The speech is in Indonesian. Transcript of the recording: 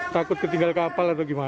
takut ketinggal kapal atau gimana